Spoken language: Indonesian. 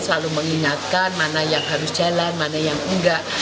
selalu mengingatkan mana yang harus jalan mana yang enggak